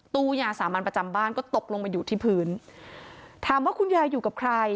ตู้ยาสามัญประจำบ้านก็ตกลงมาอยู่ที่พื้นถามว่าคุณยายอยู่กับใคร